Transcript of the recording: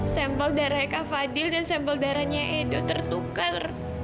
sempel darah eka fadil dan sampel darahnya edo tertukar